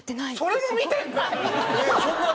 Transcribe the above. それも見てるの！？